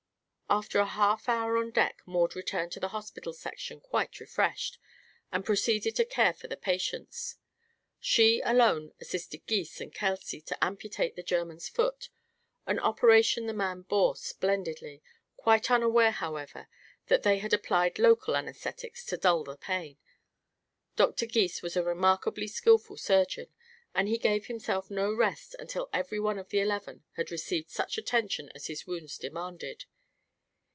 After a half hour on deck Maud returned to the hospital section quite refreshed, and proceeded to care for the patients. She alone assisted Gys and Kelsey to amputate the German's foot, an operation the man bore splendidly, quite unaware, however, that they had applied local anaesthetics to dull the pain. Dr. Gys was a remarkably skillful surgeon and he gave himself no rest until every one of the eleven had received such attention as his wounds demanded.